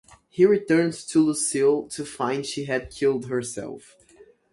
He returns to Lucille to find she had killed herself.